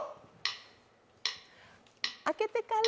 開けてから。